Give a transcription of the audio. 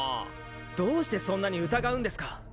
どうしてそんなに疑うんですか？